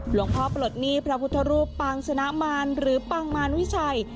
ปลดหนี้พระพุทธรูปปางชนะมารหรือปางมารวิชัย